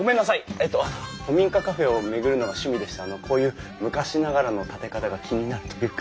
えっと古民家カフェを巡るのが趣味でしてあのこういう昔ながらの建て方が気になるというか。